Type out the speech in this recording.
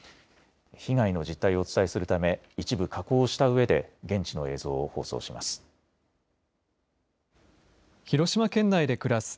被害の実態をお伝えするため一部、加工したうえで現地の映像を放送します。